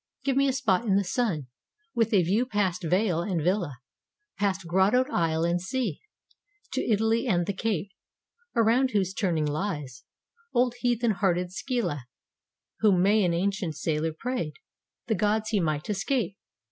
Give me a spot in the sun With a view past vale and villa, Past grottoed isle and sea To Italy and the Cape Around whose turning lies Old heathen hearted Scylla, Whom may an ancient sailor prayed The gods he might escape.